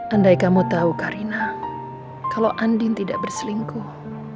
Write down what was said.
andai kamu tahu karina kalau andin tidak berselingkuh